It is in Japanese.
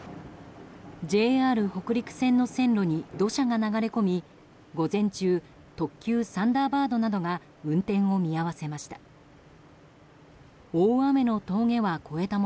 ＪＲ北陸線の線路に土砂が流れ込み午前中特急「サンダーバード」などが運転を見合わせました。